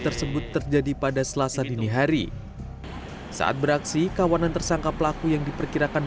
tersebut terjadi pada selasa dini hari saat beraksi kawanan tersangka pelaku yang diperkirakan